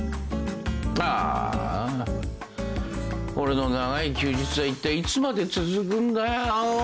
ああ俺の長い休日はいったいいつまで続くんだよ。